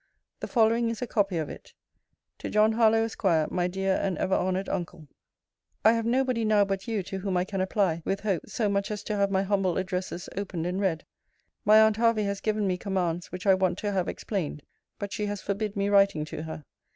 The following is a copy of it: TO JOHN HARLOWE, ESQ. MY DEAR AND EVER HONOURED UNCLE, I have nobody now but you, to whom I can apply, with hope, so much as to have my humble addresses opened and read. My aunt Hervey has given me commands which I want to have explained; but she has forbid me writing to her.